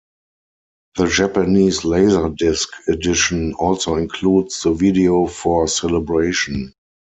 The Japanese Laserdisc edition also includes the video for "Celebration".